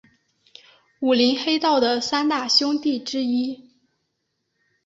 武林黑道的三大凶地之一。